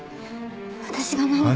私が何か。